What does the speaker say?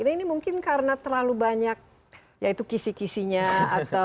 nah ini mungkin karena terlalu banyak ya itu kisih kisihnya atau